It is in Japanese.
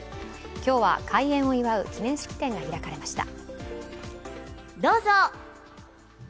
今日は、開園を祝う記念式典が開かれました。